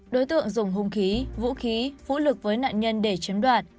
đối tượng dùng hung khí vũ khí vũ lực với nạn nhân để chiếm đoạt